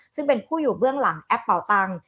ซึ่งเป็นผู้อยู่เบื้องหลังแอปเป่าตังค์